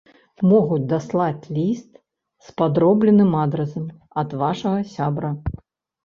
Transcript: Могуць даслаць ліст з падробленым адрасам ад вашага сябра.